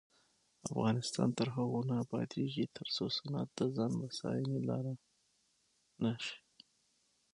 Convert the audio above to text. افغانستان تر هغو نه ابادیږي، ترڅو صنعت د ځان بسیاینې لاره نشي.